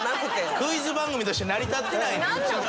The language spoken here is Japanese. クイズ番組として成り立ってないねん。